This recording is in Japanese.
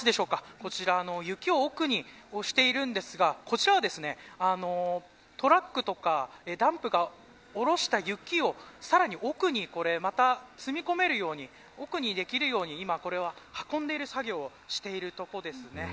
こちら雪を奥に押しているんですがこちらは、トラックとかダンプが下した雪をさらに奥にまた積み込めるように奥にできるように今これは運んでいる作業をしているところです。